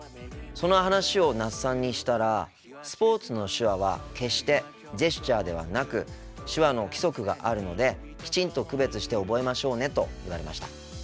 その話を那須さんにしたら「スポーツの手話は決してジェスチャーではなく手話の規則があるのできちんと区別して覚えましょうね」と言われました。